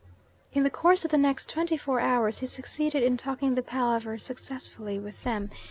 In the course of the next twenty four hours he succeeded in talking the palaver successfully with them.